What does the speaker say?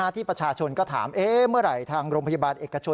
ที่ประชาชนก็ถามเมื่อไหร่ทางโรงพยาบาลเอกชน